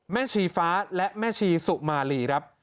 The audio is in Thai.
ชีฟ้าและแม่ชีสุมาลีครับ